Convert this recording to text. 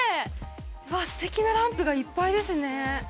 わぁステキなランプがいっぱいですね。